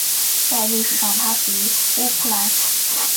在历史上它属于乌普兰。